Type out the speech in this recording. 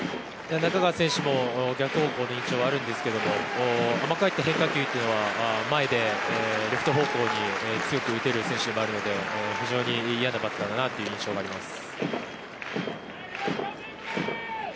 中川選手も逆方向の印象があるんですけど甘く入った変化球というのは前でレフト方向に強く打てる選手でもあるので非常に嫌なバッターだなという印象があります。